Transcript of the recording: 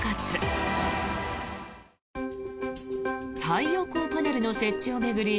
太陽光パネルの設置を巡り